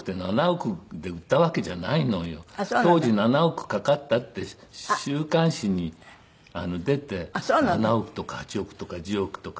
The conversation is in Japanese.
当時７億かかったって週刊誌に出て７億とか８億とか１０億とかね。